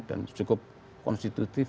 dan cukup konstitutif